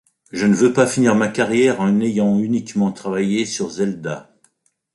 Je ne veux pas finir ma carrière en ayant uniquement travaillé sur Zelda.